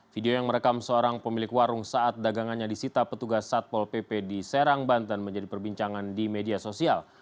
video yang merekam seorang pemilik warung saat dagangannya disita petugas satpol pp di serang banten menjadi perbincangan di media sosial